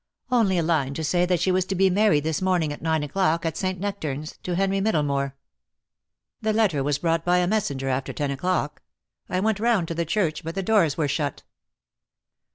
"Only a line to say that she was to be married this morning at nine o'clock, at St. Nectern's, to Henry Middlemore, The letter was brought by a 280 DEAD LOVE HAS CHAINS. messenger, after ten o'clock. I went round to the church, but the doors were shut."